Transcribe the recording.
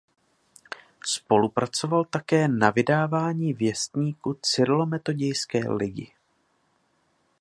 Spolupracoval také na vydávání Věstníku Cyrilometodějské ligy.